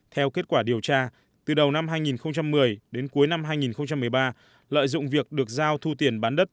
theo kết quả điều tra từ đầu năm hai nghìn một mươi đến cuối năm hai nghìn một mươi ba lợi dụng việc được giao thu tiền bán đất